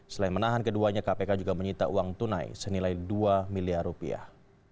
selain menahan keduanya kpk juga menyita uang tunai senilai dua miliar rupiah